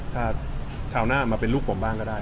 ถ้าคราวหน้ามาเป็นลูกผมบ้างก็ได้